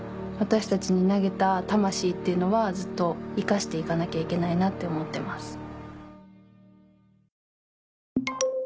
私たちに投げた魂っていうのはずっと生かして行かなきゃいけないなって思ってます。